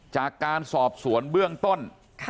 จากการสอบสวนเบื้องต้น